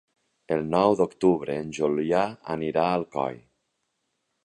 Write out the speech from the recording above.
El nou d'octubre en Julià anirà a Alcoi.